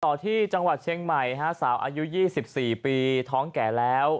ต่อที่จังหวัดเชียงใหม่สาวอายุ๒๔ปีท้องแก่แล้ว